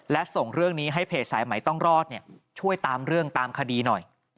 และส่งเรื่องนี้ให้เพจสายใหม่ต้องรอดช่วยตามเรื่องตามคดีหน่อย